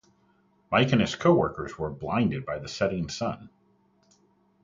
Mike and his coworkers were blinded by the setting sun.